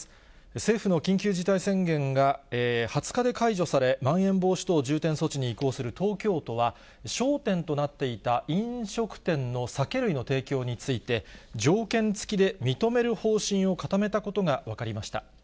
政府の緊急事態宣言が２０日で解除され、まん延防止等重点措置に移行する東京都は、焦点となっていた飲食店の酒類の提供について、条件付きで認める方針を固めたことが分かりました。